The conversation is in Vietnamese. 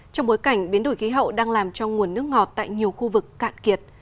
trong bối cảnh biến đổi khí hậu đang làm cho nguồn nước ngọt tại nhiều khu vực cạn kiệt